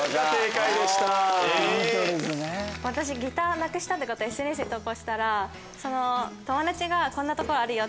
私ギターなくしたってことＳＮＳに投稿したら友達が「こんなとこあるよ！」